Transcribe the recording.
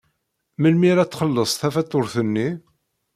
Melmi ara txelleṣ tafatuṛt-nni?